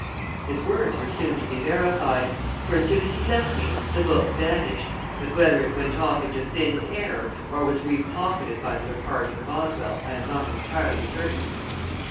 His words were soon to be verified, for as soon as he left me the book vanished, but whether it went off into thin air or was repocketed by the departing Boswell I am not entirely certain.